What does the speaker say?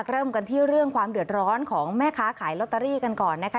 เริ่มกันที่เรื่องความเดือดร้อนของแม่ค้าขายลอตเตอรี่กันก่อนนะคะ